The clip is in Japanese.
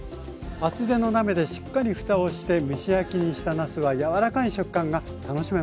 厚手の鍋でしっかりふたをして蒸し焼きにしたなすは柔らかい食感が楽しめます。